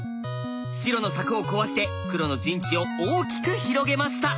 白の柵を壊して黒の陣地を大きく広げました。